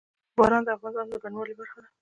باران د افغانستان د بڼوالۍ برخه ده.